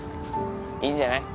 いいんじゃない？